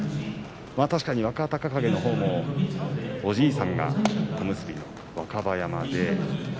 確かに若隆景のほうもおじいさんが小結若葉山で。